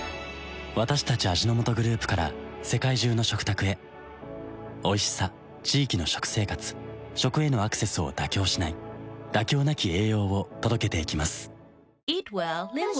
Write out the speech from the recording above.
私たち味の素グループから世界中の食卓へおいしさ地域の食生活食へのアクセスを妥協しない「妥協なき栄養」を届けていきます